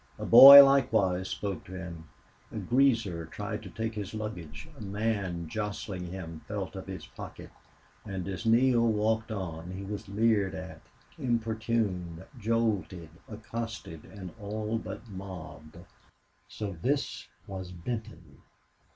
A boy likewise spoke to him; a greaser tried to take his luggage; a man jostling him felt of his pocket; and as Neale walked on he was leered at, importuned, jolted, accosted, and all but mobbed. So this was Benton.